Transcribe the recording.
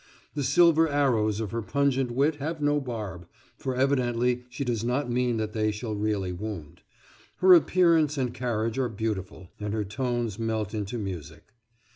The silver arrows of her pungent wit have no barb, for evidently she does not mean that they shall really wound. Her appearance and carriage are beautiful, and her tones melt into music.